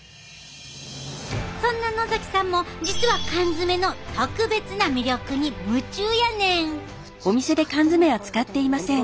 そんな野さんも実は缶詰の特別な魅力に夢中やねん。